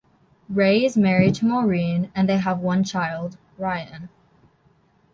Ray is married to Maureen and they have one child, Ryan.